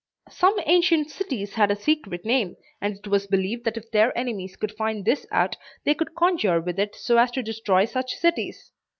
Some ancient cities had a secret name, and it was believed that if their enemies could find this out, they could conjure with it so as to destroy such cities.